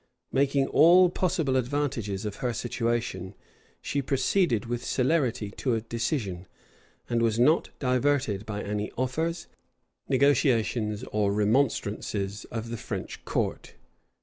Making all possible advantages of her situation, she proceeded with celerity to a decision; and was not diverted by any offers, negotiations, or remonstrances of the French court.